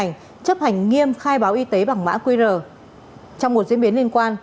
như tại quận sáu huyện củ chiến